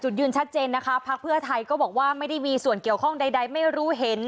จุดยื่นชัดเจนนะคะพรรคเพื่อไทยก็บอกไม่มีส่วนเกี่ยวข้องใดไม่รู้เห็น